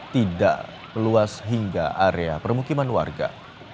tidak meluas hingga area permukiman warga